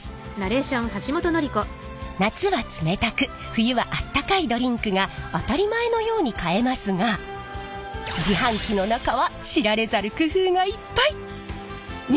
夏は冷たく冬はあったかいドリンクが当たり前のように買えますが自販機の中は知られざる工夫がいっぱい！